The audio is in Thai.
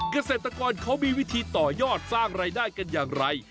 เกษตรกรเขามีวิธีต่อยอดสร้างรายได้กันอย่างไร